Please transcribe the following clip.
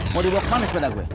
mau dibawa kemana sepeda gua